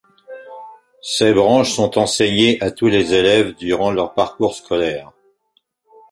Ces branches sont enseignées à tous les élèves durant leur parcours scolaire.